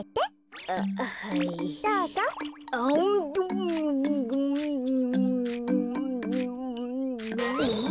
うん？